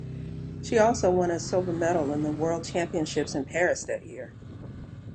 She also won a silver medal in the World Championships in Paris that year.